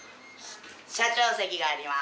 社長席があります。